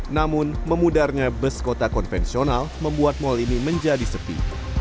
namun memudarnya bus kota konvensional membuat mal ini menjadi sepi